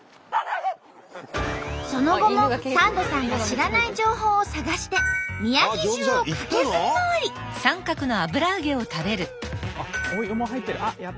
その後もサンドさんが知らない情報を探して宮城中を駆けずり回り。